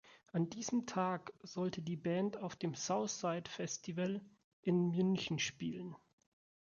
An diesem Tag sollte die Band auf dem "Southside-Festival" in München spielen.